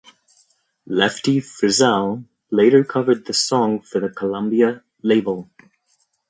Lefty Frizzell later covered the song for the Columbia label.